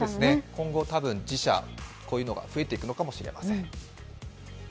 今後寺社、こういうものが増えてくるのかもしれません。